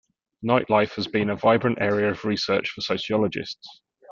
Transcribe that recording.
Nightlife has been a vibrant area of research for sociologists.